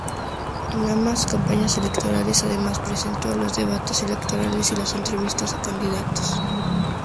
En ambas campañas electorales, además, presentó los debates electorales y las entrevistas a candidatos.